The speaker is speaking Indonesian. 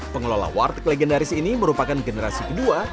pengelola warteg legendaris ini merupakan generasi kedua